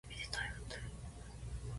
海老で鯛を釣る